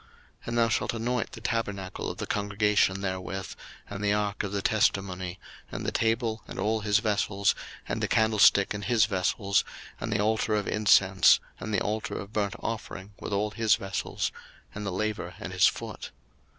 02:030:026 And thou shalt anoint the tabernacle of the congregation therewith, and the ark of the testimony, 02:030:027 And the table and all his vessels, and the candlestick and his vessels, and the altar of incense, 02:030:028 And the altar of burnt offering with all his vessels, and the laver and his foot.